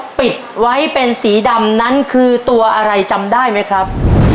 ปิดไว้เป็นสีดำนั้นคือตัวอะไรจำได้ไหมครับ